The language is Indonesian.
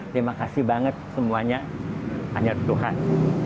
terima kasih banget semuanya hanya tuhan